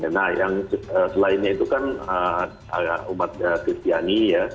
nah yang selainnya itu kan umat kristiani ya